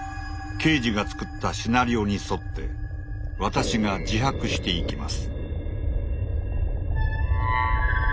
刑事が作ったシナリオに沿って私が自白していきます。